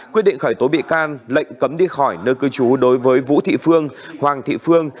quyết định khởi tố bị can lệnh cấm đi khỏi nơi cư trú đối với vũ thị phương hoàng thị phương